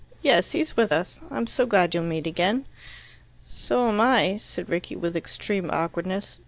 "Yes; he's with us. I'm so glad you'll meet again." "So am I," said Rickie with extreme awkwardness.